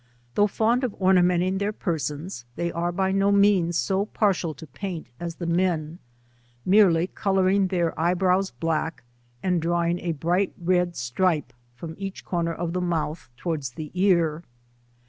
Though fond of ornamenting their persons, they are by no means so partial to paint as the men, merely colouring their eye brows black, and drawing a bright red stripe from each corner of the mouth towards the ear.